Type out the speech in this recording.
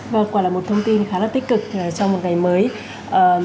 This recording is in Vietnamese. vâng quả là một thông tin khá là tích cực trong một ngày mới